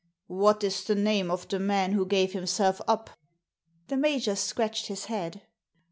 '* What is the name of the man who gave himself up? The major scratched his head.